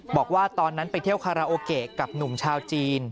บอกว่าตอนนั้นไปเที่ยวคาราโอเกะกับหนุ่มชาวจีน